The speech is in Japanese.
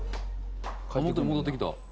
「もとに戻ってきた」